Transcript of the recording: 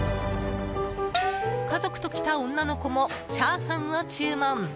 家族と来た女の子もチャーハンを注文。